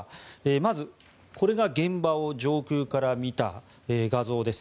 まず、これが現場を上空から見た画像です。